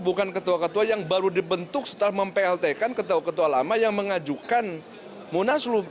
bukan ketua ketua yang baru dibentuk setelah mem plt kan ketua ketua lama yang mengajukan munaslub